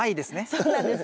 そうなんです。